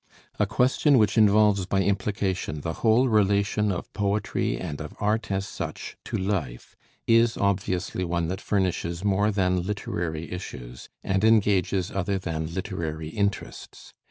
A question which involves by implication the whole relation of poetry, and of art as such, to life, is obviously one that furnishes more than literary issues, and engages other than literary interests.